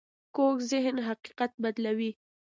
کوږ ذهن حقیقت بدلوي